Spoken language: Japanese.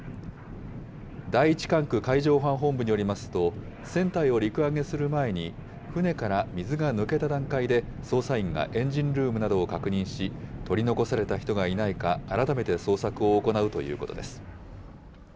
第１管区海上保安本部によりますと、船体を陸揚げする前に、船から水が抜けた段階で捜査員がエンジンルームなどを確認し、取り残された人がいないか、改めて捜索を行うということです。